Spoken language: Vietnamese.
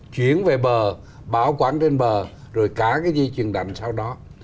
chuyển về bờ bảo quản trên bờ rồi cả cái dây chuyền đạnh sau đó